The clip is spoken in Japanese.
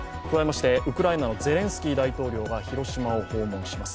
ウクライナのゼレンスキー大統領が広島を訪問します。